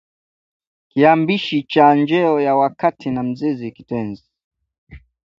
kiambishi cha njeo ya wakati na mzizi kitenzi